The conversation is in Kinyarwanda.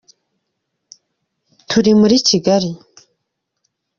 Turi muri kigali